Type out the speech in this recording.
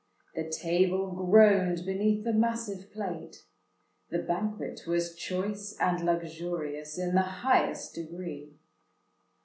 The table groaned beneath the massive plate: the banquet was choice and luxurious in the highest degree.